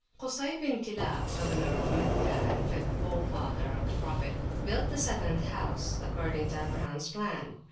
Kusay bin Kilab, governor of Meccah and fifth forefather of the Prophet, built the seventh house, according to Abrahams plan.